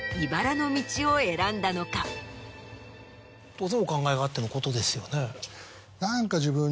当然お考えがあってのことですよね？